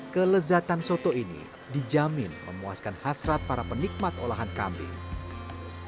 kelezatan soto ini dijamin memuaskan hasrat para penikmat olahan kambing